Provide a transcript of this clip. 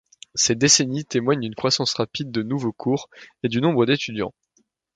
Cette décennie témoigne d'une croissance rapide de nouveaux cours et du nombre d'étudiants.